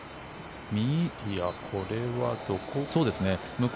これはどこ？